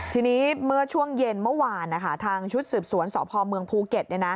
ทีนี้เมื่อช่วงเย็นเมื่อวานทางชุดสืบสวนสพเมืองภูเก็ต